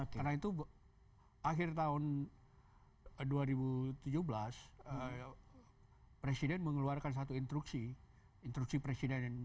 karena itu akhir tahun dua ribu tujuh belas presiden mengeluarkan satu instruksi instruksi presiden nomor sembilan tahun dua ribu tujuh belas